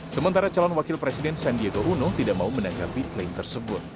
sementara calon wakil presiden sandiaga uno tidak mau menanggapi klaim tersebut